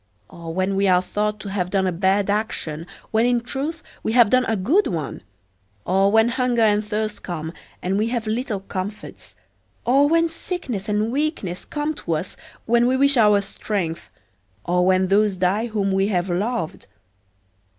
Or when we are thought to have done a bad action when in truth we have done a good one; or when hunger and thirst come and we have little comforts; or when sickness and weakness come to us when we wish our strength; or when those die whom we have loved.